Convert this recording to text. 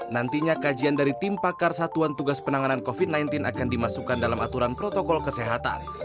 nantinya kajian dari tim pakar satuan tugas penanganan covid sembilan belas akan dimasukkan dalam aturan protokol kesehatan